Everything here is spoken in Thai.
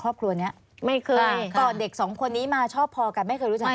ครอบครัวนี้ไม่เคยก่อนเด็กสองคนนี้มาชอบพอกันไม่เคยรู้จัก